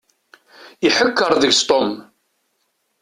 Iḥekker deg-sen Tom.